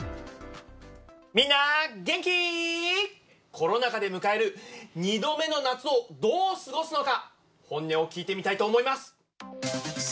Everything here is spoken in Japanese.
みんな、元気ー？コロナ禍で迎える２度目の夏をどう過ごすのか、本音を聞いてみたいと思います。